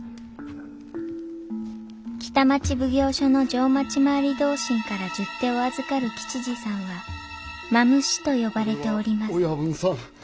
北町奉行所の定町廻り同心から十手を預かる吉次さんは蝮と呼ばれておりますああ